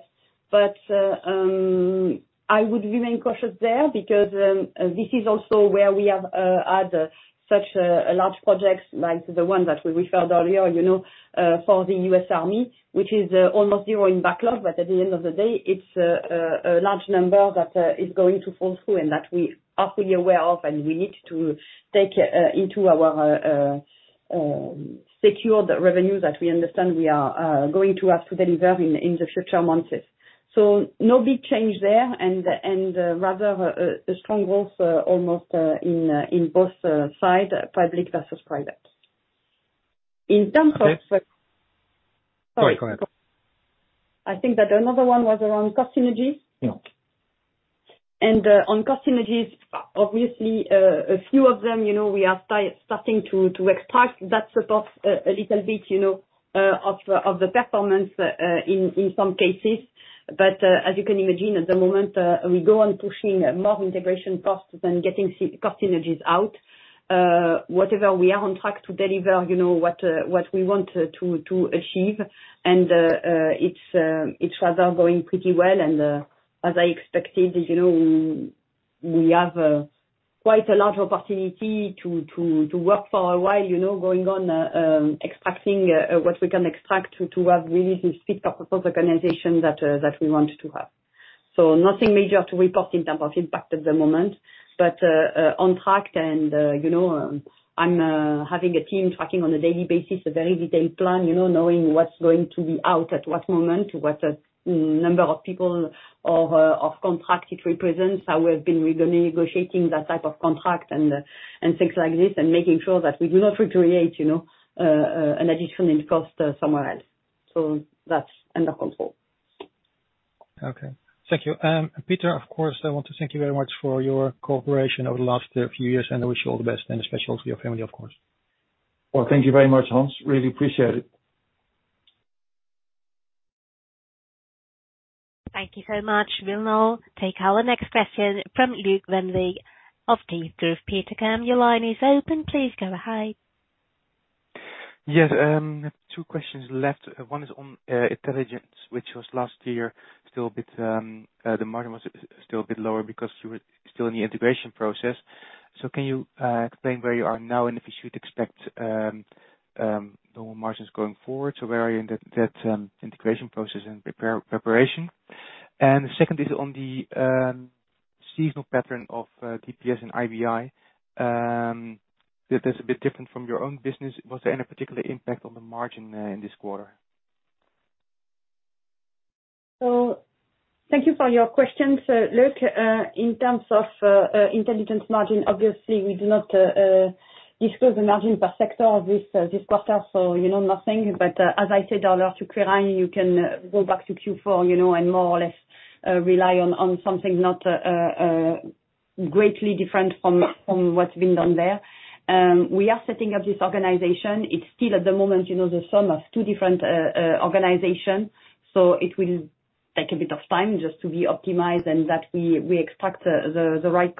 I would remain cautious there because this is also where we have had such a large project like the one that we referred earlier, you know, for the US Army. Which is almost zero in backlog, but at the end of the day, it's a large number that is going to fall through, and that we are fully aware of, and we need to take into our secure the revenue that we understand we are going to have to deliver in the future months. No big change there. Rather a strong growth almost in both side, public versus private. Sorry. Sorry. Go ahead. I think that another one was around cost synergies? No. On cost synergies, obviously, a few of them, you know, we are starting to extract that sort of a little bit, you know, of the performance, in some cases. As you can imagine, at the moment, we go on pushing more integration costs than getting cost synergies out. Whatever we are on track to deliver, you know, what we want to, to achieve and it's rather going pretty well. As I expected, you know, we have quite a large opportunity to, to work for a while, you know, going on extracting what we can extract to have really the fit type of organization that we want to have. Nothing major to report in terms of impact at the moment. But on track and, you know, I'm having a team tracking on a daily basis, a very detailed plan, you know, knowing what's going to be out at what moment. What number of people or of contract it represents, how we've been re-negotiating that type of contract and things like this. And making sure that we do not recreate, you know, an additional cost somewhere else. That's under control. Thank you. Peter, of course, I want to thank you very much for your cooperation over the last few years. I wish you all the best and specials to your family, of course. Well, thank you very much, Hans. Really appreciate it. Thank you so much. We'll now take our next question from Luuk van Beek of Degroof Petercam. Your line is open. Please go ahead. Yes, two questions left. One is on Intelligence, which was last year, still a bit, the margin was still a bit lower because you were still in the integration process. Can you explain where you are now? If we should expect normal margins going forward? Where are you in that integration process and preparation? The second is on the seasonal pattern of DPS and IBI. That is a bit different from your own business. Was there any particular impact on the margin in this quarter? Thank you for your question, so Luke, in terms of Intelligence margin, obviously we do not disclose the margin per sector of this quarter, so you know nothing. As I said earlier to Quirijn, you can go back to Q4, you know, and more or less rely on something not greatly different from what's been done there. We are setting up this organization. It's still at the moment, you know, the sum of two different organization. It will take a bit of time just to be optimized and that we extract the right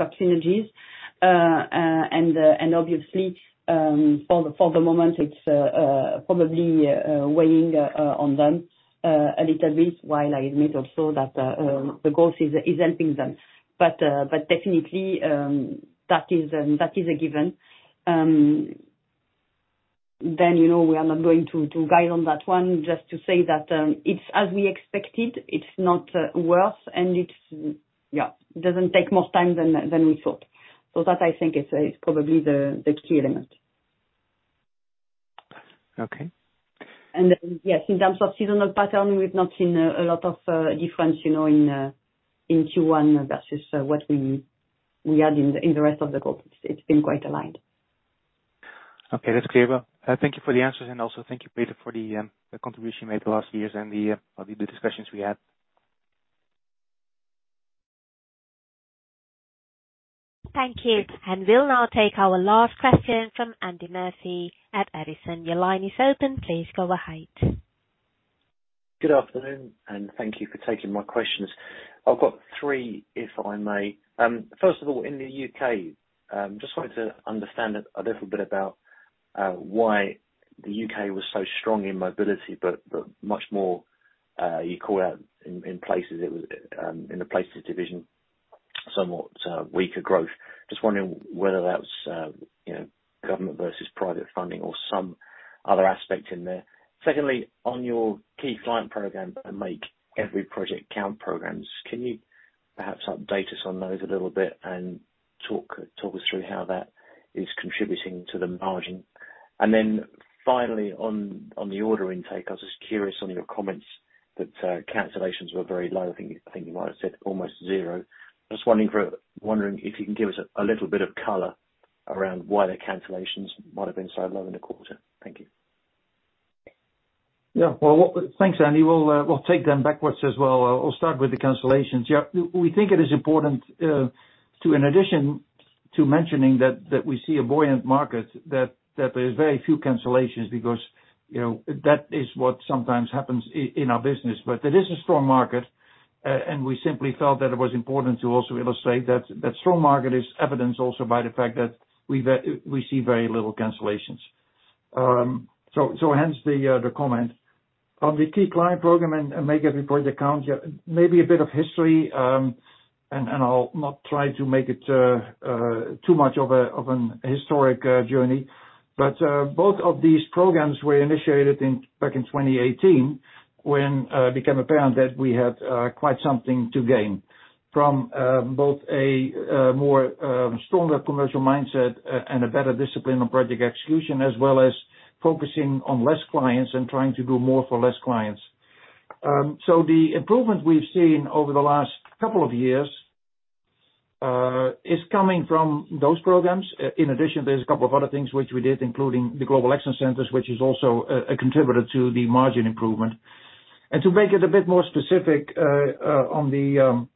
cost synergies. Obviously, for the moment, it's probably weighing on them a little bit, while I admit also that the goal is helping them. Definitely, that is a given. You know, we are not going to guide on that one just to say that it's as we expected, it's not worse and it's, yeah, doesn't take more time than we thought. That I think is probably the key element. Okay. Yes, in terms of seasonal pattern, we've not seen a lot of difference, you know, in Q1 versus what we had in the rest of the group. It's been quite aligned. Okay. That's clear. Thank you for the answers. Also thank you, Peter, for the contribution you made the last years and the discussions we had. Thank you. We'll now take our last question from Andy Murphy at Edison Group. Your line is open. Please go ahead. Good afternoon and thank you for taking my questions. I've got three, if I may. First of all, in the U.K., just wanted to understand a little bit about why the U.K. was so strong in Mobility, but much more, you call out in Places it was in the Places division, somewhat weaker growth. Just wondering whether that's, you know, government versus private funding or some other aspect in there. Secondly, on your key client program and Make Every Project Count programs, can you perhaps update us on those a little bit and talk us through how that is contributing to the margin? Finally, on the order intake, I was just curious on your comments that cancellations were very low. I think you might have said almost zero. Just wondering if you can give us a little bit of color around why the cancellations might have been so low in the quarter? Thank you. Yeah. Well, thanks, Andy. We'll, we'll take them backwards as well. I'll start with the cancellations. Yeah. We think it is important. To mentioning that we see a buoyant market, that there's very few cancellations because, you know, that is what sometimes happens in our business. It is a strong market, and we simply felt that it was important to also illustrate that strong market is evidenced also by the fact that we see very little cancellations. Hence the comment. On the key client program and Make Every Project Count. Yeah, maybe a bit of history, and I'll not try to make it too much of a, of an historic journey. both of these programs were initiated in, back in 2018 when became apparent that we had quite something to gain from both a more stronger commercial mindset and a better discipline on project execution, as well as focusing on less clients and trying to do more for less clients. The improvement we've seen over the last couple of years is coming from those programs. In addition, there's a couple of other things which we did, including the Global Excellence Centers, which is also a contributor to the margin improvement. To make it a bit more specific on the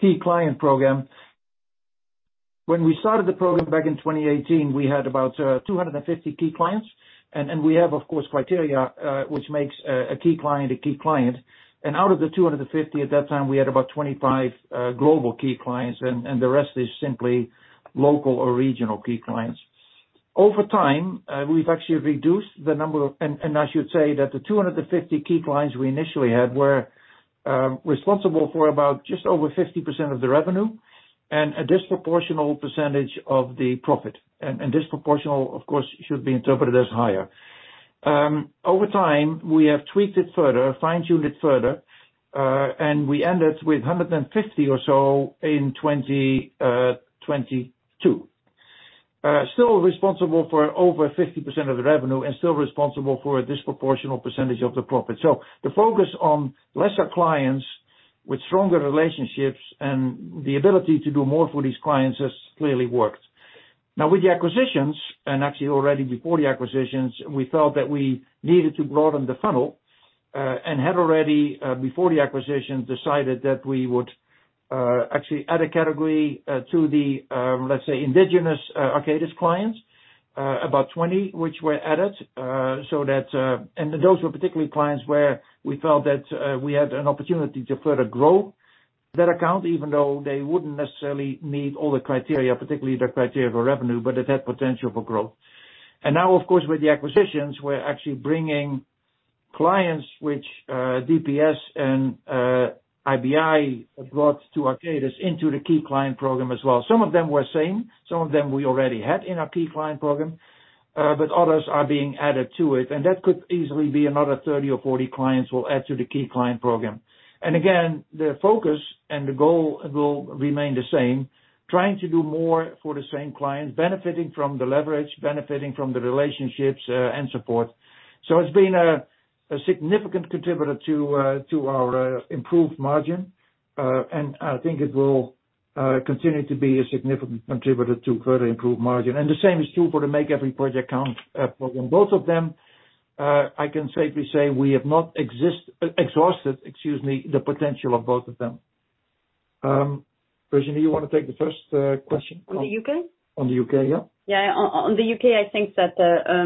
key client program, when we started the program back in 2018, we had about 250 key clients. We have, of course, criteria, which makes a key client a key client. Out of the 250 at that time, we had about 25 global key clients, and the rest is simply local or regional key clients. Over time, we've actually reduced the number of... I should say that the 250 key clients we initially had were responsible for about just over 50% of the revenue and a disproportional percentage of the profit. Disproportional, of course, should be interpreted as higher. Over time, we have tweaked it further, fine-tuned it further, and we ended with 150 or so in 2022. Still responsible for over 50% of the revenue and still responsible for a disproportional percentage of the profit. The focus on lesser clients with stronger relationships and the ability to do more for these clients has clearly worked. Now, with the acquisitions, and actually already before the acquisitions, we felt that we needed to broaden the funnel, and had already, before the acquisition, decided that we would actually add a category to the, let's say indigenous, Arcadis clients, about 20 which were added. Those were particularly clients where we felt that we had an opportunity to further grow that account, even though they wouldn't necessarily meet all the criteria, particularly the criteria for revenue, but it had potential for growth. Now, of course, with the acquisitions, we're actually bringing clients which, DPS and IBI have brought to Arcadis into the key client program as well. Some of them were same, some of them we already had in our key client program, others are being added to it, and that could easily be another 30 or 40 clients we'll add to the key client program. Again, the focus and the goal will remain the same, trying to do more for the same clients, benefiting from the leverage, benefiting from the relationships, and support. It's been a significant contributor to our improved margin. I think it will continue to be a significant contributor to further improve margin. The same is true for the Make Every Project Count program. Both of them, I can safely say we have not exhausted, excuse me, the potential of both of them. Virginie, you wanna take the first question? On the U.K.? On the U.K., yeah. On the U.K,, I think that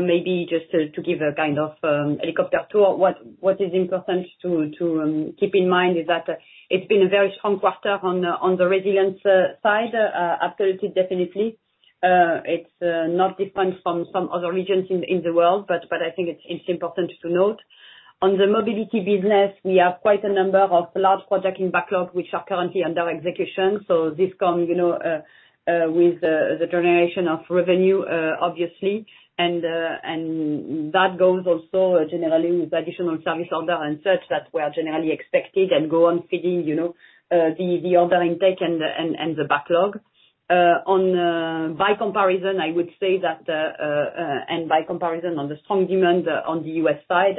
maybe just to give a kind of helicopter tour, what is important to keep in mind is that it's been a very strong quarter on the Resilience side. Absolutely, definitely. It's not different from some other regions in the world, but I think it's important to note. On the Mobility business, we have quite a number of large projects in backlog which are currently under execution. This come, you know, with the generation of revenue, obviously. That goes also generally with additional service order and such that were generally expected and go on feeding, you know, the order intake and the backlog. By comparison, I would say that by comparison on the strong demand on the U.S. side,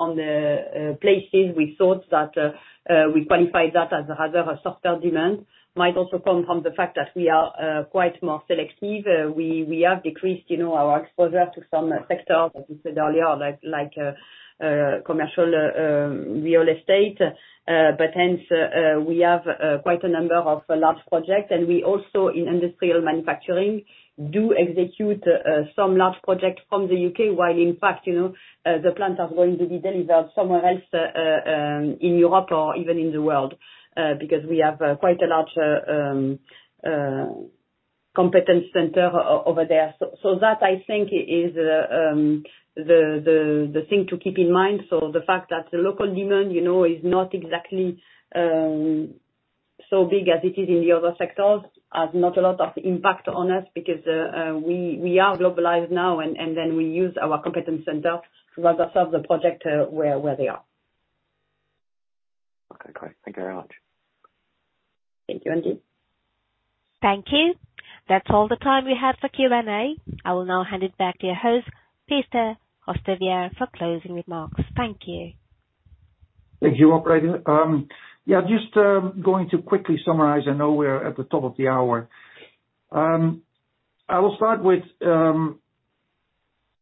on the Places we thought that we qualified that as rather a softer demand might also come from the fact that we are quite more selective. We have decreased, you know, our exposure to some sectors, as we said earlier, like commercial real estate. Hence, we have quite a number of large projects. We also, in industrial manufacturing, do execute some large projects from the U.K., while in fact, you know, the plants are going to be delivered somewhere else in Europe or even in the world, because we have quite a large competence center over there. That, I think, is the thing to keep in mind. The fact that the local demand, you know, is not exactly so big as it is in the other sectors, has not a lot of impact on us because we are globalized now. Then we use our competence center to rather serve the project where they are. Okay, great. Thank you very much. Thank you, Andy. Thank you. That's all the time we have for Q&A. I will now hand it back to your host, Peter Oosterveer, for closing remarks. Thank you. Thank you, operator. Yeah, just going to quickly summarize. I know we're at the top of the hour. I will start with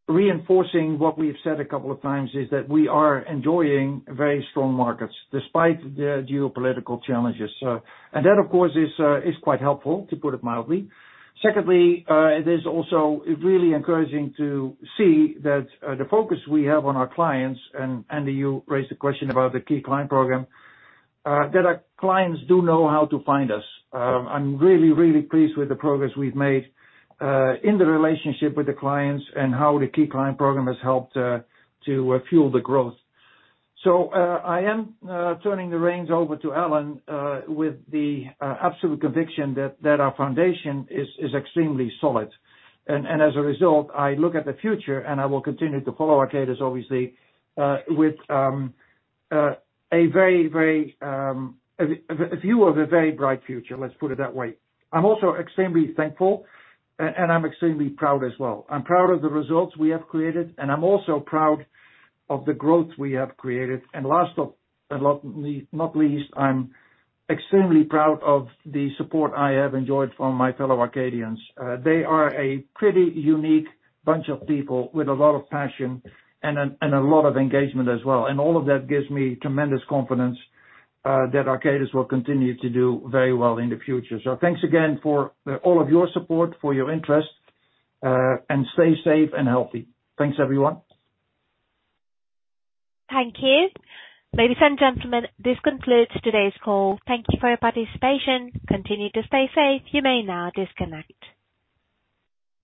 reinforcing what we've said a couple of times, is that we are enjoying very strong markets despite the geopolitical challenges. That, of course, is quite helpful, to put it mildly. Secondly, it is also really encouraging to see that the focus we have on our clients, and Andy, you raised the question about the key client program, that our clients do know how to find us. I'm really, really pleased with the progress we've made in the relationship with the clients and how the key client program has helped to fuel the growth. I am turning the reins over to Alan with the absolute conviction that our foundation is extremely solid. As a result, I look at the future, and I will continue to follow Arcadis, obviously, with a very bright future, let's put it that way. I'm also extremely thankful, and I'm extremely proud as well. I'm proud of the results we have created, and I'm also proud of the growth we have created. Last of, and not least, I'm extremely proud of the support I have enjoyed from my fellow Arcadians. They are a pretty unique bunch of people with a lot of passion and a lot of engagement as well. All of that gives me tremendous confidence that Arcadis will continue to do very well in the future. Thanks again for all of your support, for your interest, and stay safe and healthy. Thanks, everyone. Thank you. Ladies and gentlemen, this concludes today's call. Thank you for your participation. Continue to stay safe. You may now disconnect.